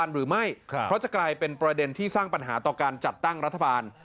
หรือไม่เพราะจะกลายเป็นประเด็นที่สร้างปัญหาต่อการจัดตั้งรัฐบาล